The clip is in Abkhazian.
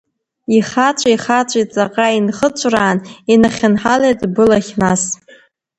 Ихаҵәи-хаҵәи ҵаҟа инхыҵәраан, инахьынҳалеит былахь нас.